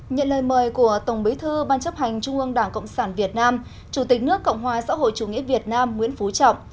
nhận lời mời của tổng bí thư ban chấp hành trung ương đảng cộng sản việt nam chủ tịch nước cộng hòa xã hội chủ nghĩa việt nam nguyễn phú trọng